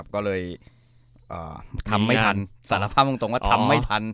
ก็เลยทำไม่ทันสารภาพตรงว่าทำไม่ทัน